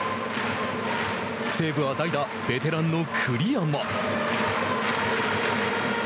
西武は代打、ベテランの栗山。